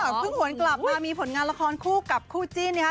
เออพึ่งผลกลับมามีผลงานละครคู่กับคู่จีนเนี้ยฮะ